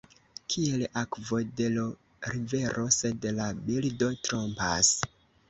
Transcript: Kiel akvo de l’ rivero – sed la bildo trompas.